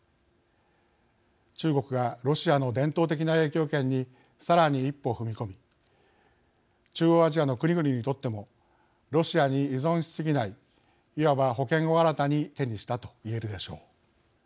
中国がロシアの伝統的な影響圏にさらに一歩踏み込み中央アジアの国々にとってもロシアに依存しすぎないいわば保険を新たに手にしたと言えるでしょう。